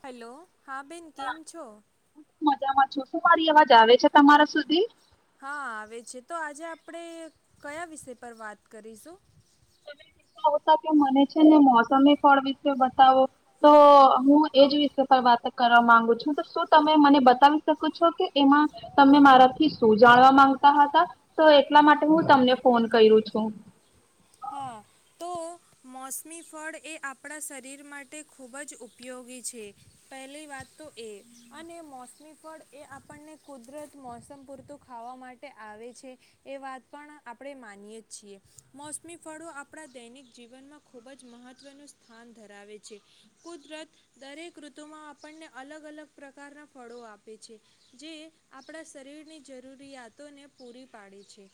Hello હા બેન કેમ છો? હું મજામાં છું. શું મારી અવાજ આવે છે તમારા સુધી? હા આવે છે તો આજે આપણે કયા વિષય પર વાત કરીશું? હોતા કે મને છે ને મોસમી ફળ વિશે બતાવો. તો હું એજ વિષય પર વાત કરવા માંગુ છું તો શું તમે મને બતાવી શકો છો કે એમાં તમે મારાથી શું જાણવા માંગતા હતા તો એટલા માટે હું તમને ફોન કરું છું. હા તો મોસમી ફળ એ આપણા શરીર માટે ખૂબ જ ઉપયોગી છે. પહેલી વાત તો એ અને મોસમી ફળ એ આપણને કુદરત મોસમ પૂરતું ખાવા માટે આવે છે એ વાત પણ આપણે માનીએ છીએ. ફળો આપણા દૈનિક જીવનમાં ખૂબ જ મહત્ત્વનું સ્થાન ધરાવે છે. કુદરત દરેક ઋતુમાં આપણને અલગ અલગ પ્રકારના ફળો આપે છે. જે આપણા શરીરની જરૂરિયાતોને પૂરી પાડે છે.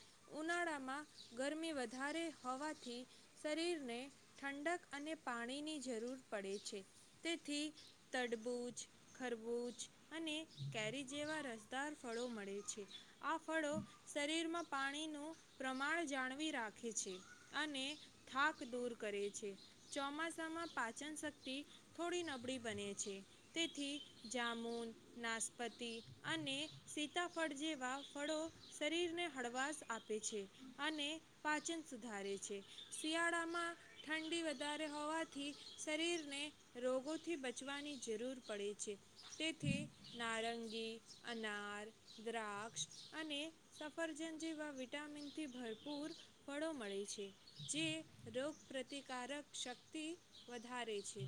ઉનાળામાં ગરમી વધારે હોવાથી શરીરને ઠંડક અને પાણીની જરૂર પડે છે. તેથી તડબુંજ, ખરબુજ અને કેરી જેવા રસદાર ફળો મળે છે. આ ફળો શરીરમાં પાણીનું પ્રમાણ જાળવી રાખે છે. અને થાક દૂર કરે છે. ચોમાસામાં પાચન શક્તિ થોડી નબળી બને છે. તેથી જામુન, નાસ્પતિ અને સીતાફળ જેવાં ફળો શરીરને હળવાશ આપે છે અને પાચન સુધારે છે. શિયાળામાં ઠંડી વધારે હોવાથી શરીરને રોગોથી બચવાની જરૂર પડે છે. તેથી નારંગી, અનાર, દ્રાક્ષ અને સફરજન જેવા વિટામિનથી ભરપૂર ફળો મળે છે. જે રોગ પ્રતિકારક શક્તિ વધારે છે.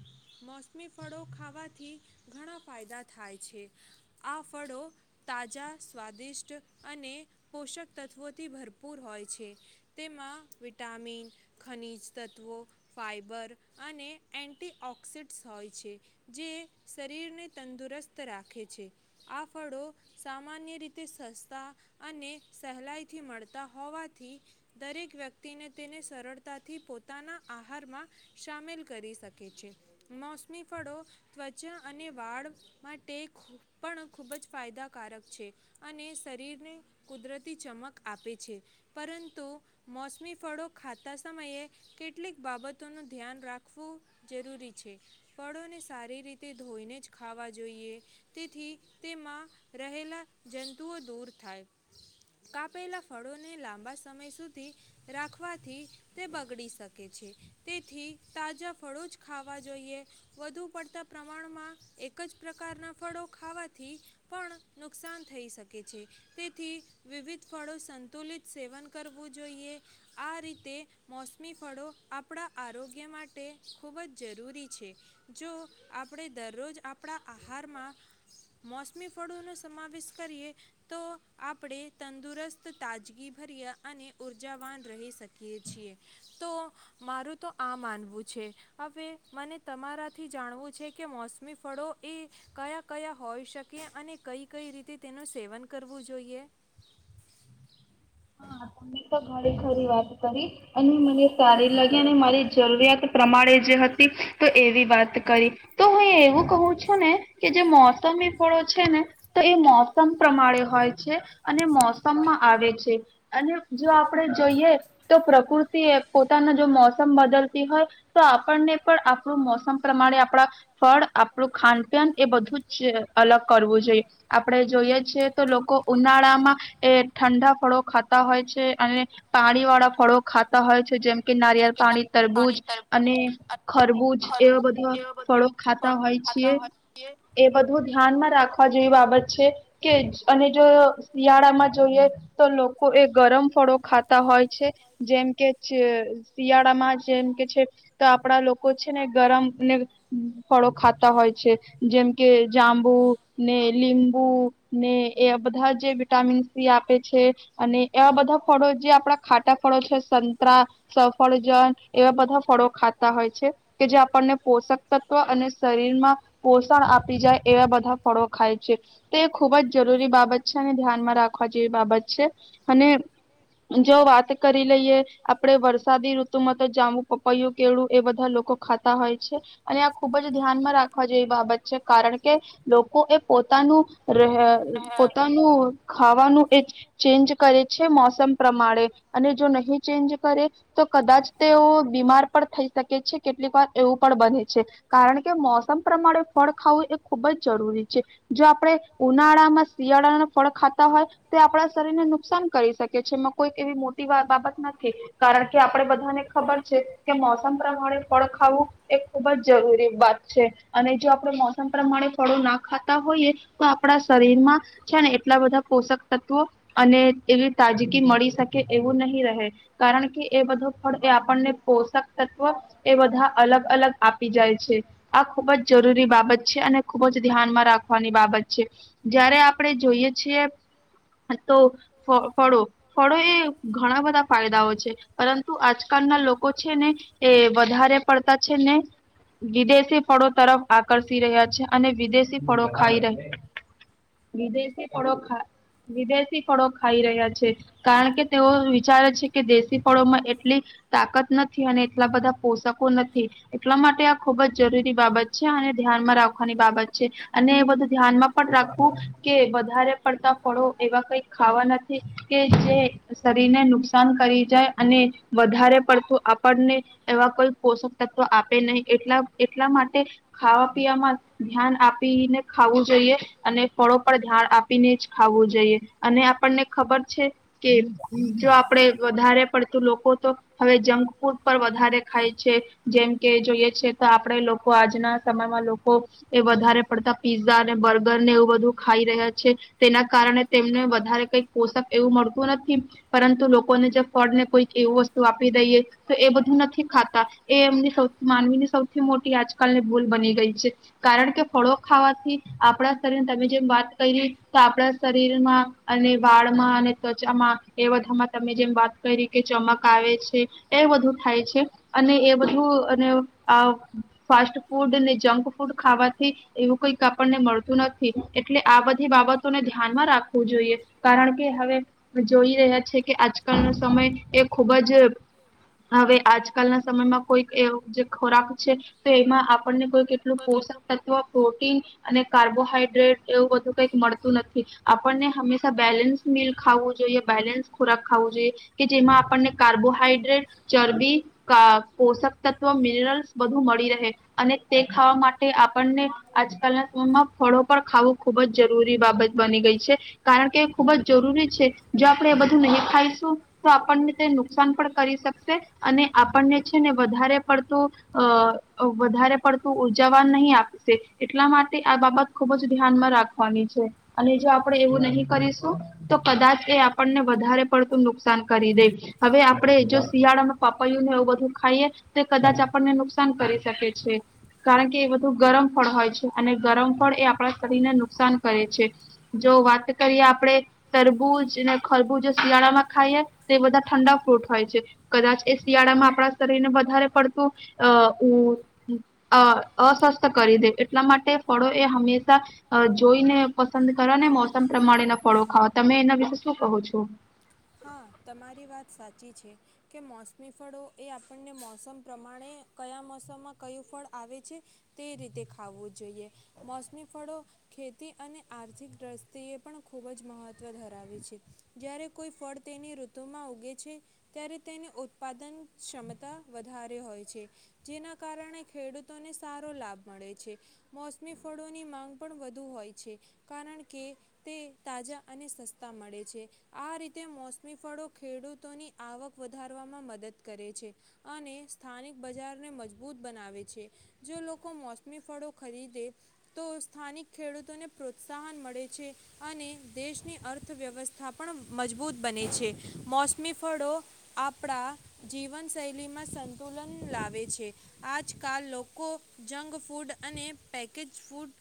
મોસમી ફળો ખાવાથી ઘણા ફાયદા થાય છે. આ ફળો તાજા સ્વાદિષ્ટ અને પોષક તત્ત્વોથી ભરપૂર હોય છે. તેમાં વિટામિન, ખનીજ તત્વો ફાઈબર અને એન્ટીઓક્સિડ્સ હોય છે. જે શરીરને તંદુરસ્ત રાખે છે. આ ફળો સામાન્ય રીતે સસ્તા અને સહેલાઈથી મળતા હોવાથી દરેક વ્યક્તિ ને તેને સરળતાથી પોતાના આહારમાં સામેલ કરી શકે છે. મોસમી ફળો ત્વચા અને વાળ માટે પણ ખૂબ જ ફાયદાકારક છે. અને શરીરને કુદરતી ચમક આપે છે. પરંતુ મો સમી ફળો ખાતા સમયે કેટલીક બાબતોનું ધ્યાન રાખવું જરૂરી છે. ફળોને સારી રીતે ધોઈને જ ખાવા જોઈએ. તેથી તેમાં રહેલા જંતુઓ દૂર થાય. કાપેલા ફળોને લાંબા સમય સુધી રાખવાથી તે બગડી શકે છે તેથી તાજા ફળો જ ખાવા જોઈએ. વધુ પડતા પ્રમાણમાં એક જ પ્રકારના ફળો ખાવાથી પણ નુકસાન થઈ શકે છે. તેથી વિવિધ ફળો સંતુલિત સેવન કરવું જોઈએ આ રીતે મોસમી ફળો આપણા આરોગ્ય માટે ખૂબ જ જરૂરી છે. જો આપણે દરરોજ આપણા આહારમાં મોસમી ફળોનો સમાવેશ કરીએ તો આપણે તંદુરસ્ત તાજગીભર્યા અને ઉ જવાન રહી શકીએ છીએ તો મારું તો આ માનવું છે. હવે મને તમારાથી જાણવું છે કે મોસમી ફળો એ કયા કયા હોઈ શકે અને કઈ કઈ રીતે તેનું સેવન કરવું જોઈએ. હા તમે તો ઘરે ખરી વાત કરી અને મને સારી લાગી અને મારી જરૂરિયાત પ્રમાણે જે હતી તો એવી વાત કરી તો હું એવું કહું છું ને કે જે મોસમી ફળો છે ને તો એ મોસમ પ્રમાણે હોય છે અને મોસમમાં આવે છે. અને જો આપણેે જોઈએ તો પ્રકૃતિ પોતાના જો મોસમ બદલતી હોય તો આપણને પણ આપણું મોસમ પ્રમાણે આપણા ફળ આપણું ખાનપન એ બધું જ અલગ કરવું જોઈએ. આપણેે જોઈએ છીએ તો લોકો ઉનાળામાં એ ઠંડા ફળો. ખાતા હોય છે અને પાણી વાળા ફળો ખાતા હોય છે જેમ કે નારિયેળ પાણી. તરબૂજ અને ખરબૂજ એવા બધા ફળો ખાતા હોય છેએ એ બધું ધ્યાનમાં રાખવા જેવી બાબત છે. કે અને જો શિયાળામાં જોઈએ તો લોકો લોકો એ ગરમ ફળો ખાતા હોય છે. જેમ કે છે શિયાળામાં જેમ કે છે. તો આપણા લોકો છે ને ગરમ ને ફળો ખાતા હોય છે જેમ કે જાંબુ ને લીંબુ ને એ બધા જે વિટામિન સી આપે છે. અને એવા બધા ફળો જે આપણા ખાટા ફળો છે સંતરા સફળજન એવા બધા ફળો ખાતા હોય છે. કે જે આપણને પોષક તત્વ અને શરીરમાં પોષણ આપી જાય એવા બધા ફળો ખાય છે. તે એ ખૂબ જ જરૂરી બાબત છે અને ધ્યાનમાં રાખવા જેવી બાબત છે અને જો વાત કરી લઈએ આપડે વરસાદી ઋતુમાં તો જામું પપાઈું કેળું એ બધા લોકો ખાતા હોય છે અને આ ખુબ જ ધ્યાનમાં રાખવા જેવી બાબત છે કારણ કે લોકો એ પોતાનું પોતાનું ખાવાનું એ ચેન્જ કરે છે મોસમ પ્રમાણે અને જો નહીં ચેન્જ કરે તો કદાચ તેઓ બીમાર પણ થઈ શકે છે કેટલીક વાર એવું પણ બને છે. કારણ કે મોસમ પ્રમાણે ફળ ખાવું એ ખુબ જ જરૂરી છે. જો આપણે ઉનાળામાં શિયાળાના ફળ ખાતા હોય તો આપણા શરીર ને નુકસાન કરી શકે છે એમાં કોઈ એવી મોટી બાબત નથી. કારણ કે આપડે બધાને ખબર છે કે મોસમ પ્રમાણે ફળખાવું એ ખૂબ જ જરૂરી વાત છે અને જો આપણે મોસમ પ્રમાણે ફળો ના ખાતા હોઈએ. તો આપણા શરીર માં છે ને એટલા બધા પોષક તત્વો અને એવી તાજગી મળી શકે એવું નહી રહે કારણ કે એ બધું ફળ એ આપણને પોષક તત્વ એ બધા અલગ અલગ આપી જાય છે. આ ખુબ જ જરૂરી બાબત છે અને ખુબ જ ધ્યાનમાં રાખવાની બાબત છે. જયારે આપણે જોઈએ છીએ. હા તો ફ ફળો. ફળો એ ઘણા બધા ફાયદાઓ છે પરંતુ આજકાલના લોકો છે ને એ વધારે પડતા છે ને વિદેશી ફળો તરફ આકર્ષી રહ્યા છે અને વિદેશી ફળો ખાઈ રહ્યા. વિદેશી પડખા વિદેશી ફળો ખાઈ રહ્યા છે કારણ કે તેઓ વિચારે છે કે દેશી ફળોમાં એટલી તાકાત નથી અને એટલા બધા પોષકો નથી. એટલા માટે આ ખુબ જ જરૂરી બાબત છે અને ધ્યાનમાં રાખવાની બાબત છે. અને એ બધું ધ્યાનમાં પણ રાખવું કે વધારે પડતા ફળો એવા કઈ ખાવા નથી કે જે શરીરને નુકસાન કરી જાય અને વધારે પડતું આપણને એવા કોઈ પોષક તત્વ આપે નહીં એટલા એટલા માટે ખાવા પીવામાં ધ્યાન આપીને ખાવું. જોઈએ અને ફળો પર ઝાડ આપીને જ ખાવું જોઈએ અને આપણને ખબર છે. કે જો આપડે વધારે પડતું લોકો તો હવે જંક ફૂડ પર વધારે ખાય છે. જેમ કે જોઈએ છે તો આપણેે લોકો આજના સમયમાં લોકો એ વધારે પડતા પીઝા અને બર્ગર ને એવું બધું ખાઈ રહ્યા છે. તેના કારણે તેમને વધારે કઈક પોષક એવું મળતું નથી. પરંતુ લોકોને જે ફોડ ને કોઈક એવું વસ્તુ આપી દઈએ. તો એ બધું નથી ખાતા એ એમની સૌ માનવીની સૌથી મોટી આજકાલની ભૂલ બની ગઈ છે. કારણ કે ફળો ખાવાથી આપણા શરીરને તમે જેમ વાત કરી તો આપણા શરીરમાં અને વાળમાં અને ત્વચામાં એ બધામાં તમે જેમ વાત કકે ચમક આવે છે, એ બધું થાય છે. અને એ બધું અને આ ફાસ્ટ ફૂડ અનેને જંક ફૂડ ખાવાથી એવું કઈક આપણને મળતું નથી એટલે આ બધી બાબત ને ધ્યાનમાં રાખવું જોઈએ કારણ કે હવે જોઈ રહ્યા છે, કે આજકાલ સમય એ ખુબ જ હવે આજકાલના સમયમા કોઈક એ જે ખોરાક છે તો એમાં આપણને કોઈ કેટલું પોષક તત્વ પ્રોટીન અને કાર્બોહાઈડ્રેટ એવું બધું કઈક મળ નથી આપણને હંમેશા બેલેન્સ મિલ ખાવું જોઈએ બેલેન્સ ખોરાક ખાવું જોઈએ. કે જેમાં આપણને કાર્બોહાઈડ્રેટ ચરબી પોષક તત્વ મિનરલ્સ બધું મળી રહે અને તે ખાવા માટે આપણને આજકાલના સમયમાં ફળો પણ ખાવો ખુબ જ જરૂરી બાબત બની ગઈ છે કારણ કે ખુબ જ જરૂરી છે, જો આપણે એ બધું નહી ખાઈશુ તો આપણને તે નુકસાન પણ કરી શકશે અને આપણને છેને, વધારે પડતુ અ વધારે પડતું ઉર્જાવા નહી આપશે એટલા માટે આ બાબત ખુબ જ ધ્યાનમાં રાખવાની છે અને જો આપણે એવું નહીિ કરીશુ તો કદાચ એ આપણને વધારે પડતું નુકસાન કરી દે હવે આપડે જો શિયાળામાં પપાયું ને એવું બધું ખાઈએ તે કદાચ આપણને નુકસાન કરી શકે છે. કારણ કે એ બધું ગરમ ફળ હોય છે અને ગરમ ફળ એ આપણા શરીરને નુકસાન કરે છે. જો વાત કરીએ આપડે તરબૂજ ને ખરબૂજ શિયાળામાં ખાઈએ તો એ બધા ઠંડા ફ્રૂટ હોય છે. કદાચ એ શિયાળામાં આપણા શરીર ને વધારે પડતું અ અ અસ્વસ્થ કરી દે એટલા માટે ફળો એ હંમેશા જોઈને પસંદ કર ને મોસમ પ્રમાણેના ફળો ખાવા તમે એના વિશે શું કહો છો. હા તમારી વાત સાચી છે. કે મોસમી ફળો એ આપણને મોસમ પ્રમાણે કયા મોસમમાં કયું ફળ આવે છે. તે રીતે ખાવવું જોઈએ મોસમી ફળો ખેતી અને આર્થિક દ્રષ્ટિએ પણ ખૂબ જ મહત્વ ધરાવે છે, જ્યારે કોઈ ફળ તેની ઋતુમાં ઉગે છે. ત્યારે તેને ઉત્પાદન ક્ષમતા વધારે હોય છે. જેના કારણે ખેડૂતોને સારો લાભ મળે છે. મોસમી ફળોની માંગ પણ વધુ હોય છે. કારણ કે તે તાજા અને સસ્તા મળે છે. આ રીતે મોસમી ફળો ખેડૂતોની આવક વધારવામાં મદદ કરે છે. અને સ્થાનિક બજારને મજબૂત બનાવે છે. જો લોકો મોસમી ફળો ખરીદે તો સ્થાનિક ખેડૂતોને પ્રોત્સાહન મળે છે. અને દેશની અર્થવ્યવસ્થા પણ મજબૂત બને છે, મોસમી ફળો આપણા જીવનશૈલીમાં સંતુલન લાવે છે. આજકાલ લોકો જંક ફૂડ અને પેકેજ ફૂડ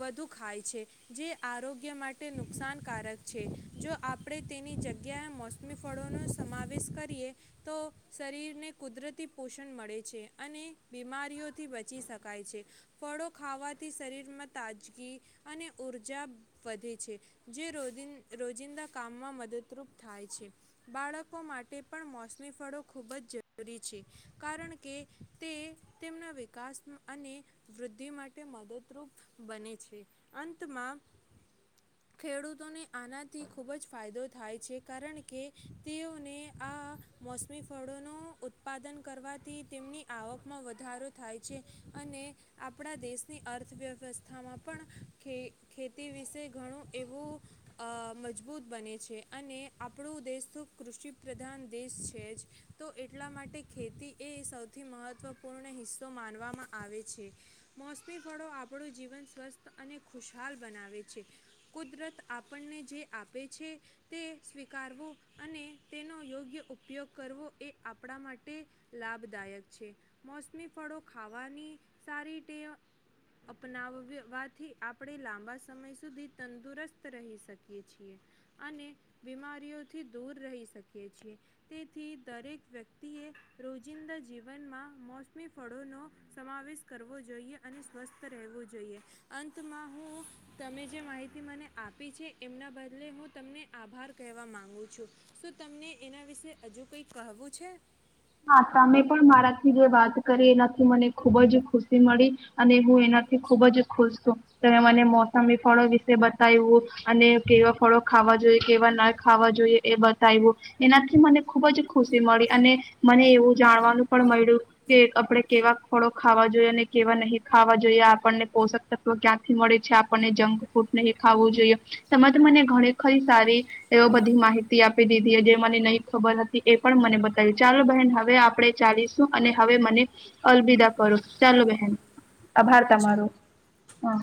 વધુ ખાય છેજે, આરોગ્ય માટે નુકસાનકારક છે. જો આપણે તેની જગ્યાએ મોસમી ફળોનો સમાવેશ કરીએ તો શરીરને કુદરતી પોષણ મળે છે, અને બીમારીઓથી બચી શકાય છે. ફળો ખાવાથી શરીરમાં તાજગી અને ઉઊર્જા વધે છે. જે ર રોજિંદા કામમાં મદદરૂપ થાય છે. બાળકો માટે પણ મોસમી ફળો ખૂબ જ જરૂરી છે કારણ કે તે તેમના વિકાસ અને વૃદ્ધિ માટે મદદરૂપ બને છે, અંતમાં ખેડૂતોને આનાથી ખૂબ જ ફાયદો થાય છે, કારણ કે તેઓને આ મોસમી ફળોનું ઉત્પાદન કરવાથી તેમની આવકમાં વધારો થાય છે, અને આપણા દેશની અર્થવ્યવસ્થામાં પણ ખે ખેતી વિશે ઘણું એવું અ મજબૂત બને છે, અને આપણો દેશ તો કૃષિ પ્રધાન દેશ છે, જ. તો એટલા માટે ખેતી એ સૌથી મહત્વપૂર્ણ હિસ્સો માનવામાં આવે છે. મોસમી ફળો આપણું જીવન સ્વસ્થ અને ખુશાલ બનાવે છે, કુદરત આ પણને જે આપે છે. તે સ્વીકારવો અને તેનો યોગ્ય ઉપયોગ કરવો એ આપણા માટે લાભદાયક છે, મોસમી ફળો ખાવાની સારી ટે અપનાવવાથી આપણે લાંબા સમય સુધી તંદુરસ્ત ત રહી શકીએ છીએ અને બીમારીઓથી દૂર રહી શકીએ છીએ. તેથી દરેક વ્યક્તિએ રોજિંદા જીવનમાં મોસમી ફળોનો સમાવેશ કરવો જોઈએ અને સ્વસ્થ રહેવું જોઈએ અંતમાં હું તમે જે માહિતી મને આપી છે, એમના બદલે હું તમને આભાર કહેવા માગું છું સું તમને એના વિશે અજુ કંઈ કહેવું છે. હા તમે પણ મારાથી જે વાત કરી એનાથી મને ખુબ જ ખુશી મળી અને હું એનાથી ખુબ જ ખુશ છું તમે મને મોસમ વિફળો વિશે બતાયવુ અને કેવા ફળો ખાવા જોઈએ કેવા ના ખાવા જોઈએ એ બતાયવુ એનાથી મને ખુબ જ ખુશી મળી અને મને એવું જાણવાનું પણ મયળુ કે આપડે કેવા ફળો ખાવા જોઈએ અને કેવા નહીં ખાવા જોઈએ આપણને પોષક ત તવ ક્યાંથી મળે છે, આપણને જંક ફૂડ નહીં ખવું જોઈએ તમત મને ઘણીખરી સારી એવ બધી માહિતી આપી દીધી જે મને નઈ ખબર હતી એ પણ મને બતાવી ચાલો બહેન હવે આપણેે ચાલીશું અને હવે મને અલવિદા કરો ચાલો બહેન આભાર તમારો હ